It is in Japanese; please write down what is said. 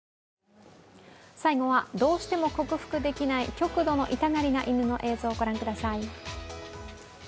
最後はどうしても克服できない極度の痛がりな犬の映像をご覧ください。